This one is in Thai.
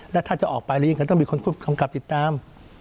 แล้วถ้าจะออกไปหรือยังไงต้องมีคนผู้กำกับติดตาม